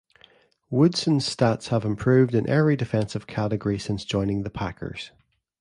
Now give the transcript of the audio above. Woodson's stats have improved in every defensive category since joining the Packers.